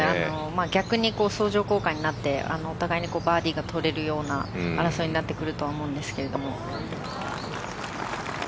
逆に相乗効果になってお互いにバーディーが取れるような争いになってくると思うんですけども。